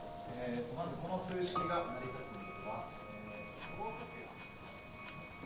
まずこの数式が成り立つんですが。